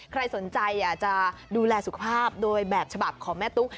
ใครสนใจอยากจะดูแลสุขภาพโดยแบบฉบับของแม่ตุ๊ก